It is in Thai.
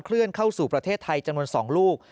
เลื่อนเข้าสู่ประเทศไทยจำนวน๒ลูก